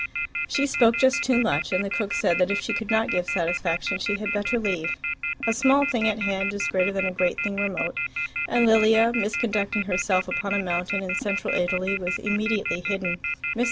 She spoke just too much, and the cook said that if she could not give satisfaction she had better leave. A small thing at hand is greater than a great thing remote, and Lilia, misconducting herself upon a mountain in Central Italy, was immediately hidden. Mrs.